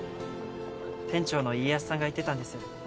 店長の家康さんが言ってたんです。